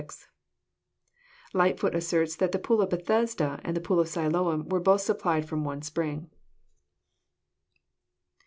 Lightfoot asserts that the pool of Bethesda and the pool of Siloam were both supplied fi:om one spring.